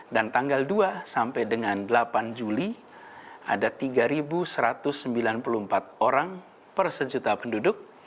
dan tanggal dua sampai dengan delapan juli ada tiga satu ratus sembilan puluh empat orang per sejuta penduduk